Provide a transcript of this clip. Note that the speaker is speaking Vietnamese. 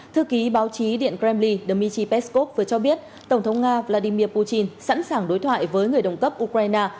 thư ký báo chí điện kremli d dmitry peskov vừa cho biết tổng thống nga vladimir putin sẵn sàng đối thoại với người đồng cấp ukraine